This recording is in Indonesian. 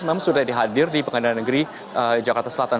memang sudah dihadir di pengadilan negeri jakarta selatan